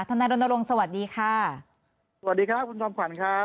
นายรณรงค์สวัสดีค่ะสวัสดีครับคุณจอมขวัญครับ